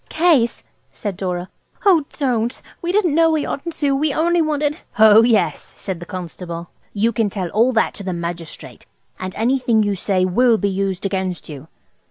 "Case!" said Dora. "Oh, don't! We didn't know we oughtn't to. We only wanted–" "Ho, yes," said the constable, "you can tell all that to the magistrate; and anything you say will be used against you."